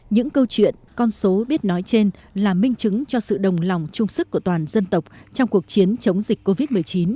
những câu chuyện con số biết nói trên là minh chứng cho sự đồng lòng trung sức của toàn dân tộc trong cuộc chiến chống dịch covid một mươi chín